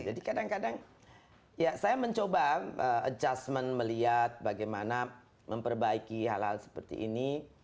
jadi kadang kadang ya saya mencoba adjustment melihat bagaimana memperbaiki hal hal seperti ini